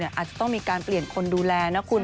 อาจจะต้องมีการเปลี่ยนคนดูแลนะคุณ